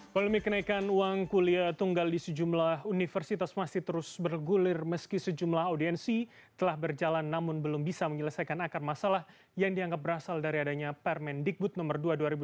polemik kenaikan uang kuliah tunggal di sejumlah universitas masih terus bergulir meski sejumlah audiensi telah berjalan namun belum bisa menyelesaikan akar masalah yang dianggap berasal dari adanya permendikbud nomor dua dua ribu delapan belas